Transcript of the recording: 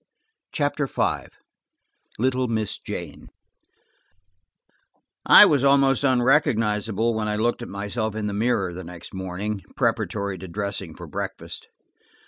CHAPTER V LITTLE MISS JANE I WAS almost unrecognizable when I looked at myself in the mirror the next morning, preparatory to dressing for breakfast.